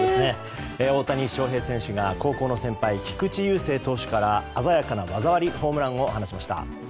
大谷翔平選手が高校の先輩、菊池雄星投手から鮮やかな技ありホームランを放ちました。